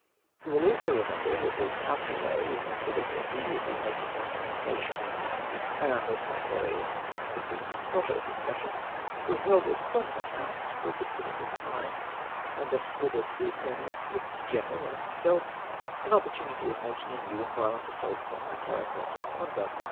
You will also remember that Lord Castlereagh, instead of immediately making his communication, and preventing an unnecessary, and conse quently improper discussion, withheld it from the House for a considerable time, and thus afforded the Attorney and Solicitor General and himself an opportunity of making a new and violent assault upon my character and conduct.